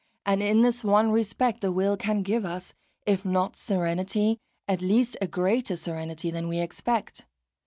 And in this one respect the will can give us, if not serenity, at least a greater serenity than we expect.